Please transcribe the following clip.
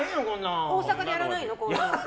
大阪でやらないの？